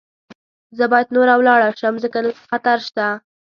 زه باید نوره ولاړه شم، ځکه دلته خطر شته.